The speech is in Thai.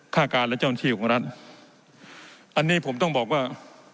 ฆ่าการและเจ้าหน้าที่ของรัฐอันนี้ผมต้องบอกว่า